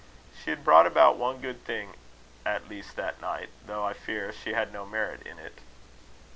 She had brought about one good thing at least that night; though, I fear, she had no merit in it.